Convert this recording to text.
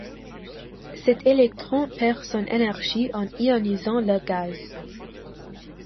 Cet électron perd son énergie en ionisant la gaz.